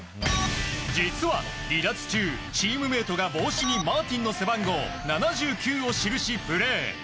実は離脱中チームメートが、帽子にマーティンの背番号７９を記し、プレー。